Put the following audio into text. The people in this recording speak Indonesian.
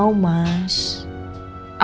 aku udah backpack aja